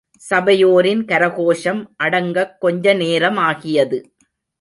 சபையோரின் கரகோஷம் அடங்கக் கொஞ்சநேரமாகியது.